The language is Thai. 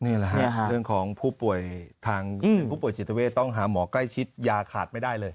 นี่แหละฮะเรื่องของผู้ป่วยทางผู้ป่วยจิตเวทต้องหาหมอใกล้ชิดยาขาดไม่ได้เลย